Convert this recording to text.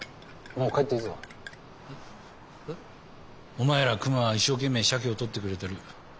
お前ら熊は一生懸命シャケを獲ってくれてる。